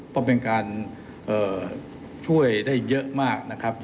เพราะเป็นการช่วยได้เยอะมากนะครับ